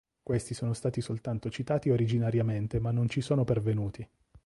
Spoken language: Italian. Questi sono stati soltanto citati originariamente ma non ci sono pervenuti.